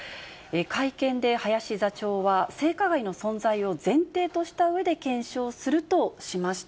会見で林座長は性加害の存在を前提としたうえで検証するとしました。